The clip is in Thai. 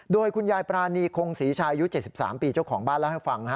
โดยคุณยายปรานีคงศรีชายอายุ๗๓ปีเจ้าของบ้านเล่าให้ฟัง